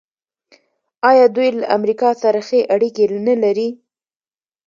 آیا دوی له امریکا سره ښې اړیکې نلري؟